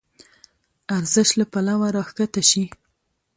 ارزش له پلوه راکښته شي.